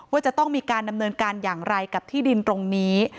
ว่าจะต้องมีการดำเนินการอย่างไรกับที่ดินตรงนี้